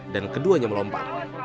dan keduanya melompat